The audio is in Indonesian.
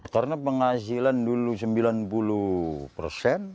karena penghasilan dulu sembilan puluh persen